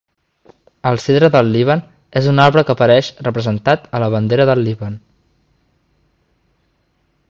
El Cedre del Líban, és un arbre que apareix representat a la Bandera del Líban.